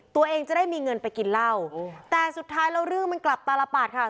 ตัวเองจะได้มีเงินไปกินเหล้าแต่สุดท้ายแล้วเรื่องมันกลับตารปัดค่ะ